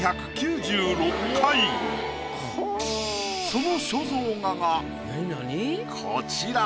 その肖像画がこちら。